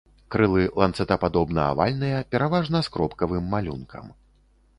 Крылы ланцэтападобна-авальныя, пераважна з кропкавым малюнкам.